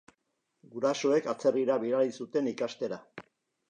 Gurasoek atzerrira bidali zuten ikastera.